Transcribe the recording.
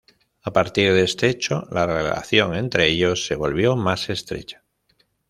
A partir de este hecho la relación entre ellos se volvió más estrecha.